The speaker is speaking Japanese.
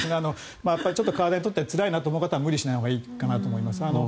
ちょっと体にとってつらいなと思う方は無理しないほうがいいと思います。